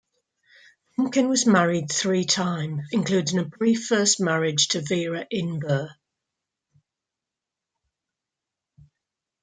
Frumkin was married three times, including a brief first marriage to Vera Inber.